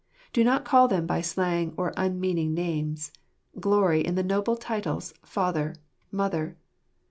Do not call them by slang or unmeaning names: glory in the noble titles, "Father," "Mother."